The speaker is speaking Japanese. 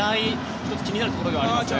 １つ、気になるところではありますね。